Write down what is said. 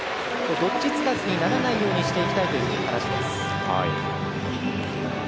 どっちつかずにならないようにしていきたいという話です。